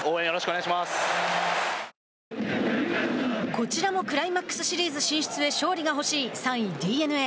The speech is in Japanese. こちらもクライマックスシリーズ進出へ勝利が欲しい、３位ＤｅＮＡ。